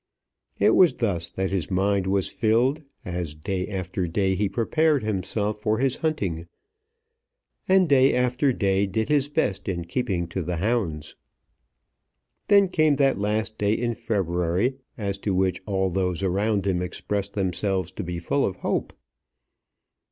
It was thus that his mind was filled, as day after day he prepared himself for his hunting, and day after day did his best in keeping to the hounds. Then came that last day in February as to which all those around him expressed themselves to be full of hope.